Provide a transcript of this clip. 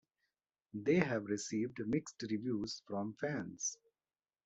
They have received mixed reviews from fans.